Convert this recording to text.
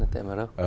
ở tại morocco